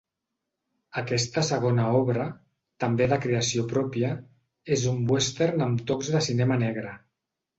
Aquesta segona obra, també de creació pròpia, és un western amb tocs de cinema negre.